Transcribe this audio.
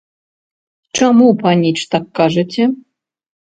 Чаму, паніч, так кажаце?